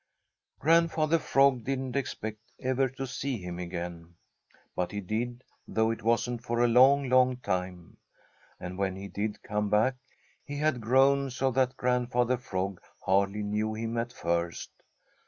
Grandfather Frog didn't expect ever to see him again. But he did, though it wasn't for a long, long time. And when he did come back, he had grown so that Grandfather Frog hardly knew him at first.